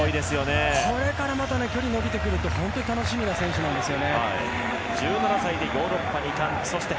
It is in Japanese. これから距離伸びてくると本当に楽しみな選手なんですよ。